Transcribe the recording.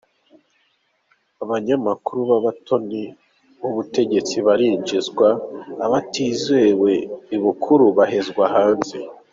Abanyamakuru b’abatoni b’ubutegetsi barinjizwa abatizewe ibukuru bahezwa hanze.